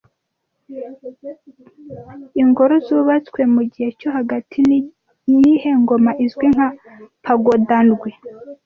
Ingoro zubatswe mugihe cyo hagati niyihe ngoma izwi nka 'Pagoda ndwi'